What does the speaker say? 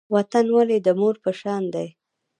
وطن ولې د مور په شان دی؟